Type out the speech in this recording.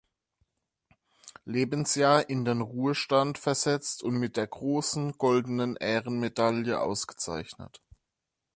Lebensjahr in den Ruhestand versetzt und mit der großen goldenen Ehrenmedaille ausgezeichnet.